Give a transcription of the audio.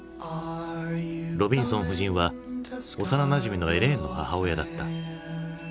ロビンソン夫人は幼なじみのエレインの母親だった。